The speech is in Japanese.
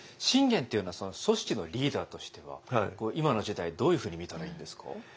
信玄っていうのは組織のリーダーとしては今の時代どういうふうに見たらいいんですか？